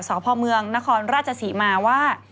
สพเมืองนครราชศรีมาว่า